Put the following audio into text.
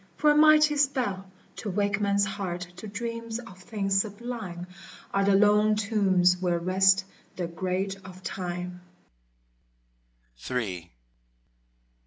for a mighty spell, To wake men's hearts to dreams of things sublime, Are the lone tombs where rest the Great of Time.